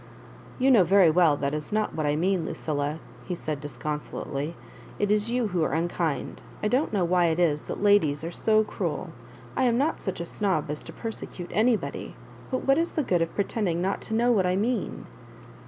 "You know very well that is not what I mean, Lucilla," he said, disconsolately. "It is you who are unkind. I don't know why it is that ladies are so cruel ; I am not such a snob as to perse cute anybody. But what is the good of pretend ing not to know what I mean